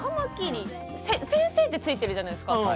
先生って付いているじゃないですか